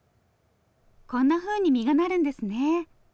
こんなふうに実がなるんですね。